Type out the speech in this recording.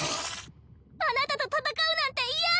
あなたと戦うなんて嫌！